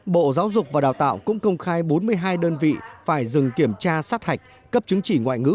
bộ giáo dục và đào tạo cũng công khai bốn mươi hai đơn vị phải dừng kiểm tra sát hạch cấp chứng chỉ ngoại ngữ